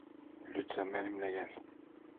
Lütfen benimle gel.